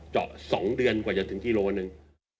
เจาะ๒เดือนกว่าจะถึงกิโลหนึ่ง